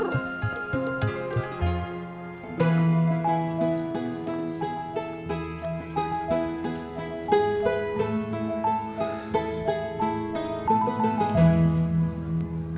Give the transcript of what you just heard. lalu yang itu